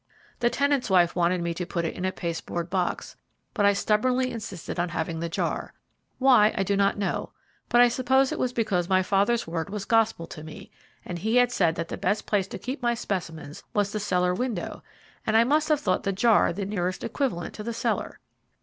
The tenant's wife wanted me to put it in a pasteboard box, but I stubbornly insisted on having the jar, why, I do not know, but I suppose it was because my father's word was gospel to me, and he had said that the best place to keep my specimens was the cellar window, and I must have thought the jar the nearest equivalent to the cellar.